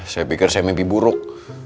saya pikir saya mimpi buruk